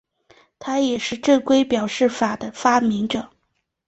他也是正规表示法的发明者。